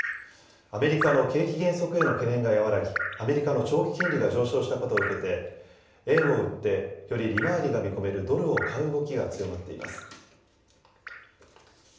アメリカの景気減速への懸念が和らぎアメリカの長期金利が上昇したことを受けて円を売ってより利回りが見込めるドルを買う動きが強まっています。